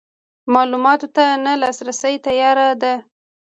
معلوماتو ته نه لاسرسی تیاره ده.